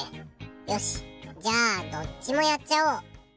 よしじゃあどっちもやっちゃおう。